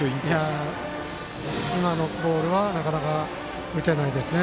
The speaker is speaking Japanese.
今のボールはなかなか打てないですね。